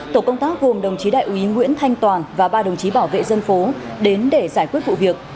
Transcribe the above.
tổ công tác gồm đồng chí đại úy nguyễn thanh toàn và ba đồng chí bảo vệ dân phố đến để giải quyết vụ việc